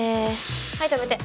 はい止めて。